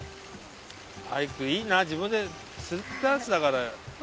アイクいいな自分で釣ったやつだから。